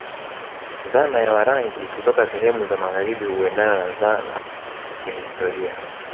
Dhana ya Warangi kutoka sehemu za magharibi huendena na dhana ya historia